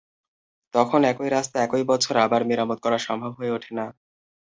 তখন একই রাস্তা একই বছর আবার মেরামত করা সম্ভব হয়ে ওঠে না।